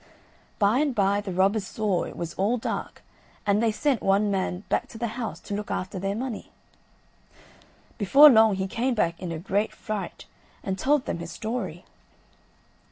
By and by the robbers saw it was all dark and they sent one man back to the house to look after their money. Before long he came back in a great fright and told them his story.